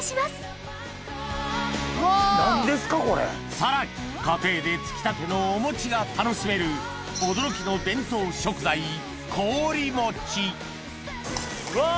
さらに家庭でつきたてのお餅が楽しめる驚きのうわ！